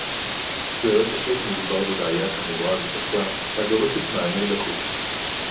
ללא ספק מדובר בבעיה חמורה וקשה הדורשת מענה דחוף